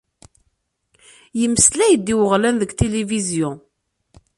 Yemmeslay-d i uɣlan deg tilivizyu.